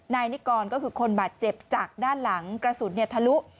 ในนี่ก่อนก็คือคนบาดเจ็บจากด้านหลังกระสุนเนี่ยทะลุ